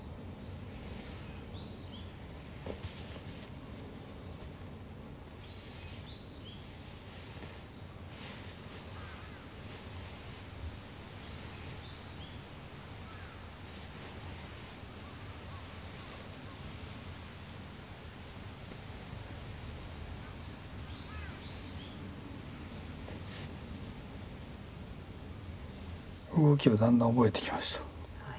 動きをだんだん覚えてきました。